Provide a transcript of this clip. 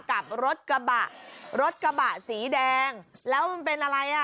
กับรถกระบะรถกระบะสีแดงแล้วมันเป็นอะไรอ่ะ